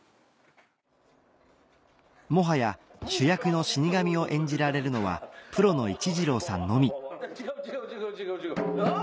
もはや主役の死神を演じられるのはプロの市二郎さんのみあぁ！